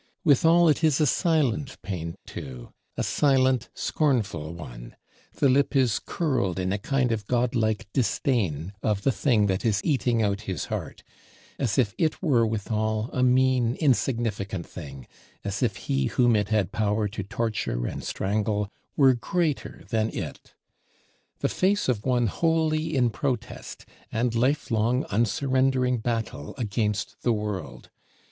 Withal it is a silent pain too, a silent scornful one: the lip is curled in a kind of godlike disdain of the thing that is eating out his heart, as if it were withal a mean, insignificant thing, as if he whom it had power to torture and strangle were greater than it. The face of one wholly in protest, and lifelong, unsurrendering battle, against the world.